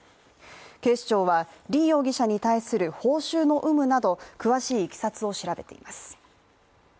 警視庁は李容疑者に対する報酬の有無など詳しい経緯を調べています。